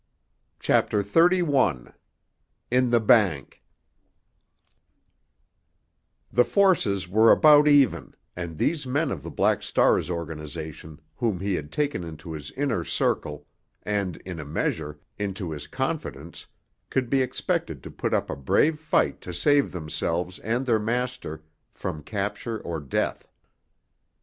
CHAPTER XXXI—IN THE BANK The forces were about even, and these men of the Black Star's organization whom he had taken into his inner circle, and, in a measure, into his confidence could be expected to put up a brave fight to save themselves and their master from capture or death.